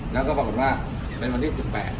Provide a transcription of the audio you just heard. แล้วก็ปรากฏว่าเป็นวันที่๑๘